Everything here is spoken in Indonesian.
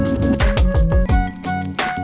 ini parkiran nggak ada yang ngurus